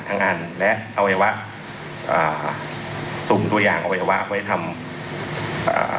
อันและอวัยวะอ่าซุมตัวอย่างอวัยวะไว้ทำอ่า